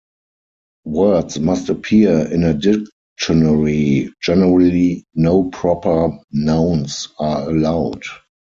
Words must appear in a dictionary; generally no proper nouns are allowed.